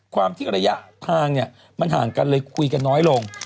ความที่ระยะทางเนี่ยมันห่างกันเลยคุยกันน้อยลง